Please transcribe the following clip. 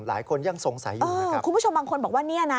หลายคนยังสงสัยอยู่นะครับคุณผู้ชมบางคนบอกว่าเนี่ยนะ